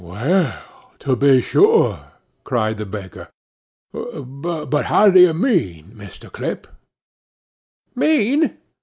'Well, to be sure!' cried the baker. 'But how d'ye mean, Mr. Clip?' 'Mean!